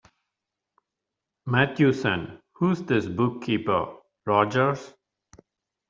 Matthewson, who's this bookkeeper, Rogers.